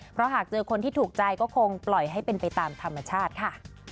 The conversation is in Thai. เพราะหากเจอคนที่ถูกใจก็คงปล่อยให้เป็นไปตามธรรมชาติค่ะ